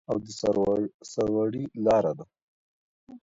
او د سرلوړۍ لاره ده.